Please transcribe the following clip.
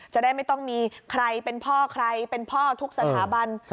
จะได้ไม่ต้องมีใครเป็นพ่อใครเป็นพ่อทุกสถาบัน